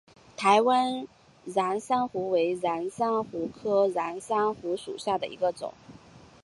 台湾蕈珊瑚为蕈珊瑚科蕈珊瑚属下的一个种。